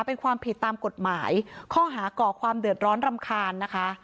เป็นความผิดตามกฎหมายข้อหาก่อความเดือดร้อนรำคาญนะคะ